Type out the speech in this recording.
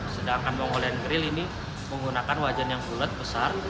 sedangkan mongolen grill ini menggunakan wajan yang bulat besar